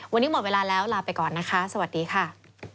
วันนี้หมดเวลาแล้วลาไปก่อนนะคะสวัสดีค่ะ